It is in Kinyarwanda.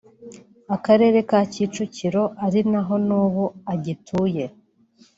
Akarere ka Kicukiro ari naho n’ubu agituye